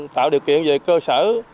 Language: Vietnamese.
tạo điều kiện về cơ sở